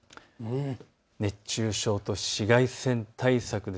熱中症と紫外線対策。